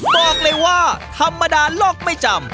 บอกเลยว่าธรรมดาโลกไม่จำ